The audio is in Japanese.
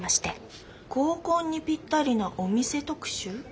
「合コンにぴったりなお店特集」。